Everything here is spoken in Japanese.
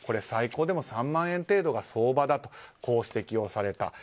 最高でも３万円程度が相場だと指摘をされた。